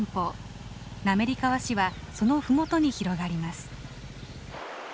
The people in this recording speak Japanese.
滑川市はその麓に広がります。